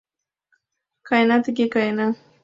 Каена тыге, каена.